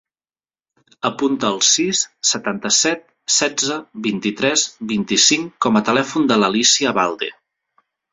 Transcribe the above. Apunta el sis, setanta-set, setze, vint-i-tres, vint-i-cinc com a telèfon de l'Alícia Abalde.